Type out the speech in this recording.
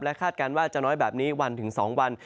คาดการณ์ว่าจะน้อยแบบนี้วันถึง๒วัน